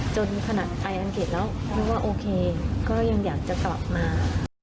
จนขนาดไปอังกฤษแล้วคิดว่าโอเคก็ยังอยากจะกลับมา